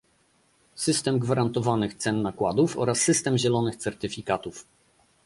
system gwarantowanych cen nakładów oraz system zielonych certyfikatów